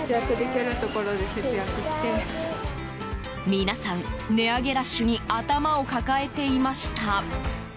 皆さん、値上げラッシュに頭を抱えていました。